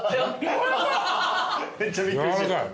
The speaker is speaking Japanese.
めっちゃびっくりしてる。